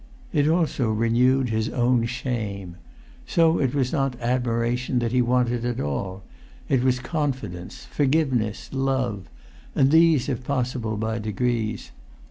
It also renewed his own shame. So it was not admiration that he wanted at all; it was confidence, forgiveness, love; and these if possible by degrees.